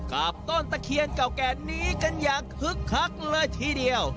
กับต้นตะเคียนเก่าแก่นี้กันอย่างคึกคักเลยทีเดียว